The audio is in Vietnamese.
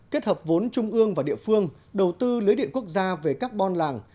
kết hợp vốn trung ương và địa phương đầu tư lưới điện quốc gia về các bon làng